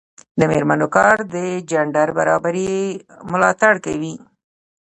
د میرمنو کار د جنډر برابري ملاتړ کوي.